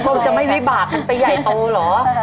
คงจะไม่วิบากมันไปใหญ่โตเหรอ